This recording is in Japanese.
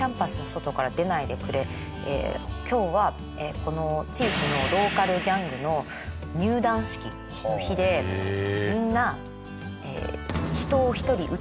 今日はこの地域のローカルギャングの入団式の日でみんな人を１人撃つというミッションをもらっている。